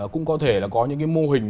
cũng có thể là có những cái mô hình